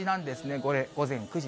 これ、午前９時。